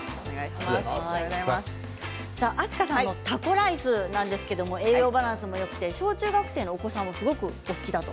明日香さんのタコライスなんですけれど栄養バランスもよくて小中学生のお子さんもすごくお好きだと。